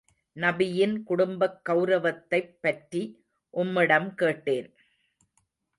நபியின் குடும்பக் கெளரவத்தைப் பற்றி உம்மிடம் கேட்டேன்.